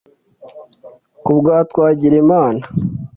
Kubwa Twagirimana